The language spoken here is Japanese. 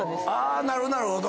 なるほどなるほど。